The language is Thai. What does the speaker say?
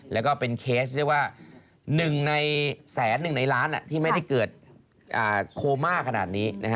แล้วก็เป็นเคสเรียกว่า๑ในแสนหนึ่งในล้านที่ไม่ได้เกิดโคม่าขนาดนี้